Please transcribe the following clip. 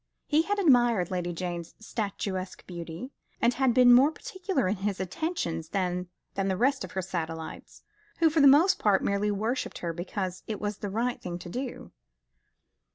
He had admired Lady Jane's statuesque beauty, and had been more particular in his attentions than the rest of her satellites, who for the most part merely worshipped her because it was the right thing to do.